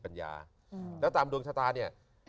แล้วตามดวงชะตาเนี่ย